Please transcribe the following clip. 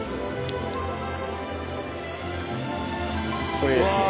これですね。